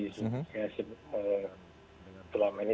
sepanjang pengetahuan kami